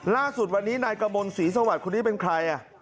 ล่าสุดวันนี้นายกมลศรีสวัสดิ์คนนี้เป็นใคร